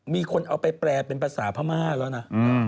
มีคนเอาไปแปลเป็นภาษาพม่าแล้วนะ